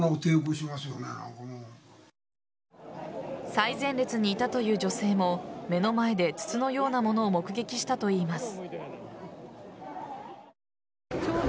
最前列にいたという女性も目の前で筒のような物を目撃したといいます。